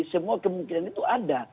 semua kemungkinan itu ada